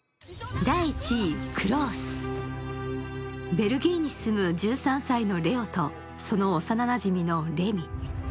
ベルギーに住む１３歳のレオとその幼なじみのレミ。